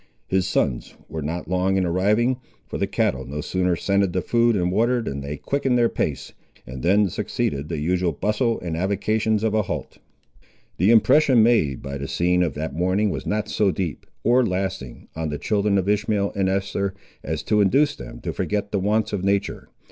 His sons were not long in arriving; for the cattle no sooner scented the food and water than they quickened their pace, and then succeeded the usual bustle and avocations of a halt. The impression made by the scene of that morning was not so deep, or lasting, on the children of Ishmael and Esther, as to induce them to forget the wants of nature.